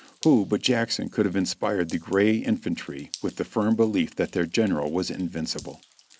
Who but Jackson could have inspired the gray infantry with the firm belief that their general was invincible